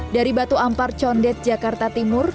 dari batu ampar condet jakarta timur